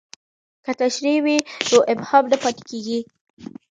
که تشریح وي نو ابهام نه پاتې کیږي.